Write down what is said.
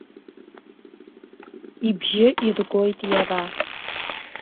Ибжьы иргоит иара.